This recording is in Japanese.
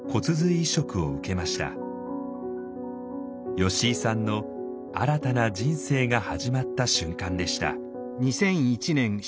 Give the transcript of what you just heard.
吉井さんの新たな人生が始まった瞬間でした。